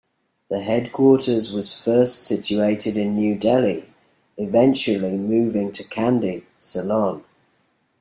The headquarters was first situated in New Delhi, eventually moving to Kandy, Ceylon.